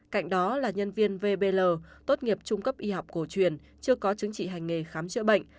cạnh đó là nhân viên vbl tốt nghiệp trung cấp y học cổ truyền chưa có chứng chỉ hành nghề khám chữa bệnh